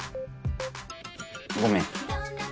ごめん。